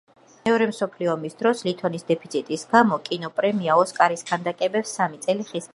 მეორე მსოფლიო ომის დროს, ლითონის დეფიციტის გამო, კინოპრემია „ოსკარის“ ქანდაკებებს სამი წელი ხისგან ამზადებდნენ.